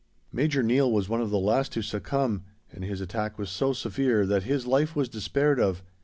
Major Neill was one of the last to succumb, and his attack was so severe that his life was despaired of.